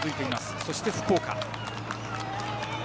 そして福岡。